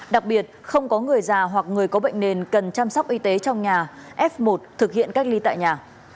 đặc biệt không có người già hoặc người có bệnh nền cần chăm sóc y tế trong nhà f một thực hiện cách ly tại nhà